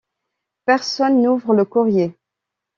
Personne n'ouvre le courrier.